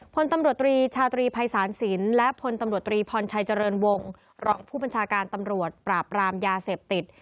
พลตำรวจตรีชาตรีภัยศาลสินและพลตำรวจตรีพรชัยเจริญวงศ์รองผู้บัญชาการตำรวจปราบรามยาเสพติด